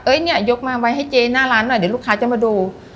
เนี่ยยกมาไว้ให้เจ๊หน้าร้านหน่อยเดี๋ยวลูกค้าจะมาดู